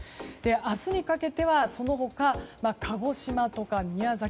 明日にかけてはその他、鹿児島とか宮崎